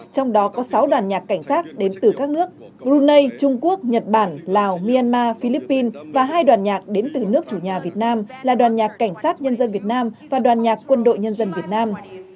trong đó có sáu đoàn nhạc cảnh sát đến từ các nước brunei trung quốc nhật bản lào myanmar philippines và hai đoàn nhạc đến từ nước chủ nhà việt nam là đoàn nhạc cảnh sát nhân dân việt nam và đoàn nhạc quân đội nhân dân việt nam